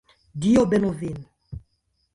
Dio benu vin.